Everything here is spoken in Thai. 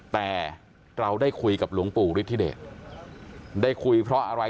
แต่เราได้คุยกับหลวงปู่ฤทธิเดชได้คุยเพราะอะไร